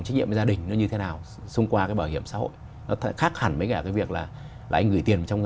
trách nhiệm với gia đình nó như thế nào